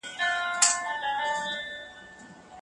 د ژوند سطحې په ټولو خلکو کې یو شان نه دي.